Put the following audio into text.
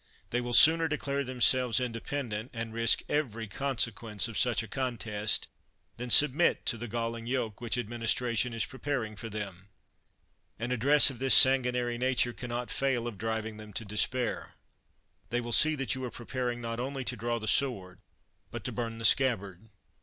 They will sooner declare themselves independent, and risk every consequence of such a contest, than submit to the galling yoke which administration is preparing for them. An address of this san guinary nature can not fail of driving them to despair. They will see that you are preparing, not only to draw the sword, but to burn the scab bard.